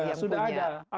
ya sudah ada